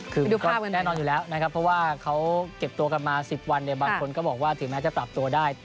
คือแน่นอนอยู่แล้วนะครับเพราะว่าเขาเก็บตัวกันมา๑๐วันเนี่ยบางคนก็บอกว่าถึงแม้จะปรับตัวได้